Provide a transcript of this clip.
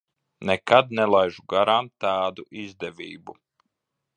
Nekad nelaižu garām tādu izdevību.